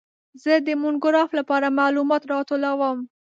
زه د مونوګراف لپاره معلومات راټولوم.